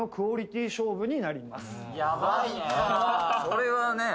それはね